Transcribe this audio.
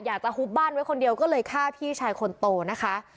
หุบบ้านไว้คนเดียวก็เลยฆ่าพี่ชายคนโตนะคะ